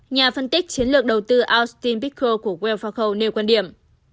nhà phân tích chiến lược đầu tư austin pickle của wealthfargo nêu quan điểm